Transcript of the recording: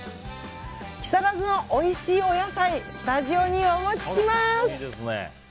木更津の、おいしいお野菜スタジオにお持ちします！